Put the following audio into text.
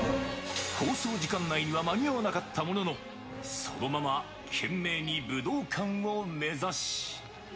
放送時間内には間に合わなかったものの、そのまま懸命に武道館を目指し。